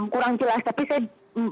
kurang jelas tapi saya